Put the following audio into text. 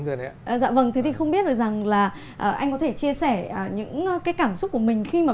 dạ vâng thế thì không biết được rằng là anh có thể chia sẻ những cái cảm xúc của mình khi mà